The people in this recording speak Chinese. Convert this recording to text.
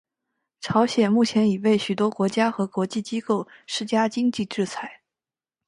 朝鲜目前已被许多国家和国际机构施加经济制裁。